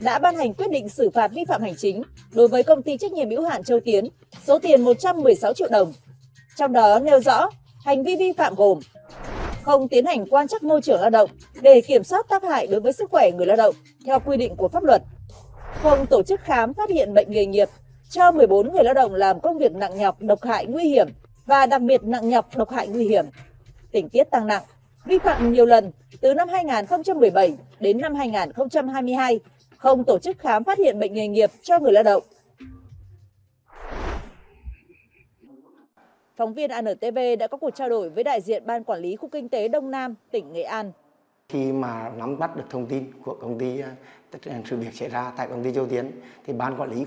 theo quy định của pháp luật không tổ chức khám phát hiện bệnh nghề nghiệp cho một mươi bốn người lao động làm công việc nặng nhọc độc hại nguy hiểm tỉnh tiết tăng nặng nhọc độc hại nguy hiểm tỉnh tiết tăng nặng nhọc độc hại nguy hiểm tỉnh tiết tăng nặng nhọc độc hại nguy hiểm tỉnh tiết tăng nặng nhọc